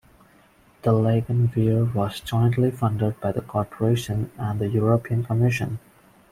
The Lagan Weir was jointly funded by the Corporation and the European Commission.